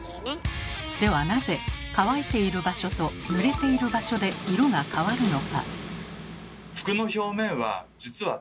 ではなぜ乾いている場所とぬれている場所で色が変わるのか？